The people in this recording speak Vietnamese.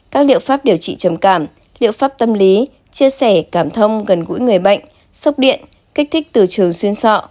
các liệu pháp điều trị trầm cảm liệu pháp tâm lý chia sẻ cảm thông gần gũi người bệnh sốc điện kích thích từ trường xuyên sọ